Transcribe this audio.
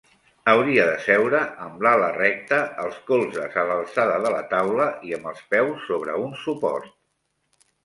Hauria de seure amb l'ala recta, els colzes a l'alçada de la taula i amb els peus sobre un suport.